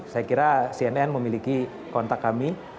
saya kira cnn memiliki kontak kami